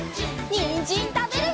にんじんたべるよ！